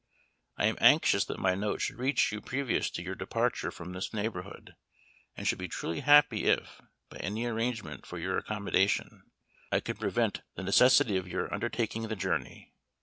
I am anxious that my note should reach you previous to your departure from this neighborhood, and should be truly happy if, by any arrangement for your accommodation, I could prevent the necessity of your undertaking the journey.